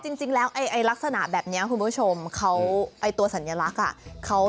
คือจริงละลักษณะแบบนี้คุณผู้ชมเดี๋ยวละตัวสัญลักษณ์ค่ะ